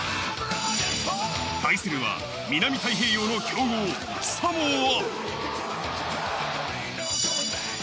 対するは南太平洋の強豪・サモア。